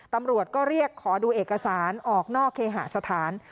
ตำรวจก็เรียกขอดูเอกสารออกนอกเคหาสถาน